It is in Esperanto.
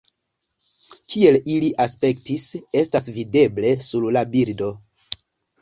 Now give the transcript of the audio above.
Kiel ili aspektis, estas videble sur la bildo.